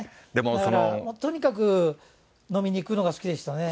だから、とにかく飲みに行くのが好きでしたね。